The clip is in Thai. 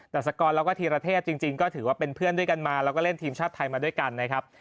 แต่สกรแล้วก็ธีรเทพจริงก็ถือว่าเป็นเพื่อนด้วยกันมาแล้วก็เล่นทีมชาติไทยมาด้วยกันนะครับ